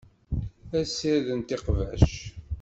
Ad ssirdent iqbac.